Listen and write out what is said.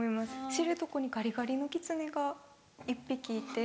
知床にガリガリのキツネが１匹いて。